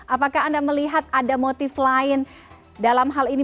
apakah anda melihat ada motif lain dalam hal ini